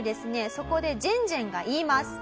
そこでジェンジェンが言います。